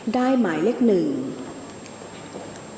ได้หมายเลข๑